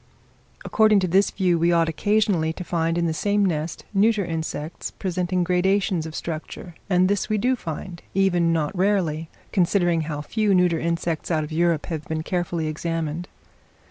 According to this view we ought occasionally to find in the same nest neuter insects, presenting gradations of structure; and this we do find, even not rarely, considering how few neuter insects out of Europe have been carefully examined.